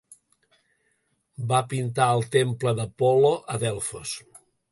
Va pintar el temple d'Apol·lo a Delfos.